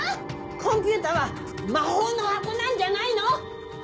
コンピューターは魔法の箱なんじゃないの⁉